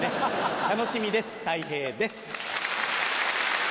楽しみですたい平です。